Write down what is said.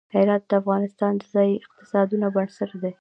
هرات د افغانستان د ځایي اقتصادونو بنسټ دی.